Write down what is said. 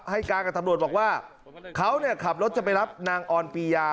ให้การกับตำรวจบอกว่าเขาขับรถจะไปรับนางออนปียา